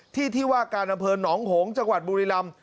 ที่ที่ว่าการอำเภอหนองหงษ์จังหวัดบุรีรำ